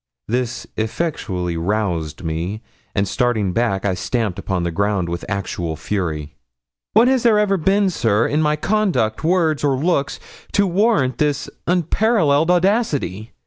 This effectually roused me, and starting back, I stamped upon the ground with actual fury. 'What has there ever been, sir, in my conduct, words, or looks, to warrant this unparalleled audacity?